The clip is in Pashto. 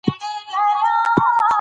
لیکوال دا جرئت لري.